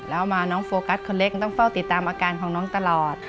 แล้วมาน้องโฟกัสคนเล็กต้องเฝ้าติดตามอาการของน้องตลอด